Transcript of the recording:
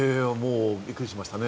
びっくりしましたね。